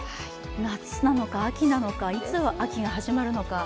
夏なのか、秋なのか、いつ秋が始まるのか。